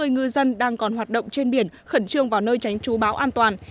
năm trăm bốn mươi ngư dân đang còn hoạt động trên biển khẩn trương vào nơi tránh chú báo an toàn